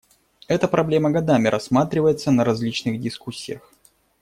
Эта проблема годами рассматривается на различных дискуссиях.